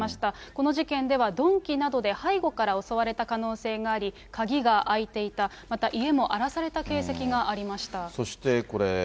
この事件では、鈍器などで背後から襲われた可能性があり、鍵が開いていた、また家も荒らされた形跡がありました。